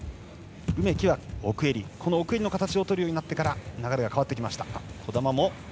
梅木が奥襟の形を取るようになってから流れが変わってきました。